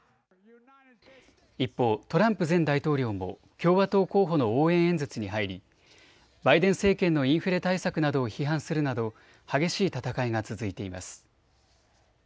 一方、トランプ前大統領も共和党候補の応援演説に入り、バイデン政権のインフレ対策などを批判するなど激しい戦いが続いています。